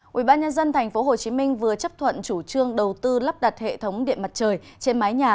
quỹ ban nhân dân tp hcm vừa chấp thuận chủ trương đầu tư lắp đặt hệ thống điện mặt trời trên mái nhà